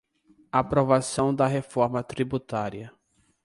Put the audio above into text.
Aprovação da reforma tributária